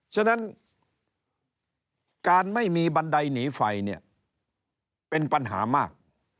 ฉะนั้นการไม่มีบันไดหนีไฟเนี่ยเป็นปัญหามาก